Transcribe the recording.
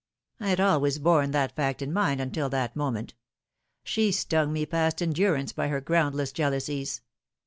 I had always borne that fact in mind until that moment. She stung me past endurance by her groundless jealousies.